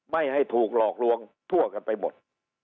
ไม่ให้ถูกหลอกลวงทั่วกันไปหมด